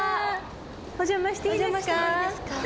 お邪魔していいですか？